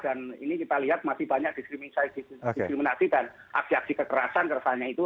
dan ini kita lihat masih banyak diskriminasi dan aksi aksi kekerasan kerasanya itu